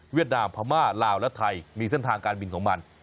นามพม่าลาวและไทยมีเส้นทางการบินของมัน